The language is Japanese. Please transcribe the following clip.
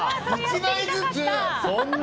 １枚ずつ！